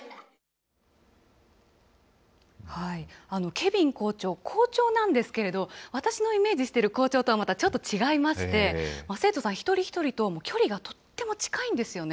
ケヴィン校長、校長なんですけれど、私のイメージしてる校長とはまたちょっと違いまして、生徒さん一人一人と距離がとっても近いんですよね。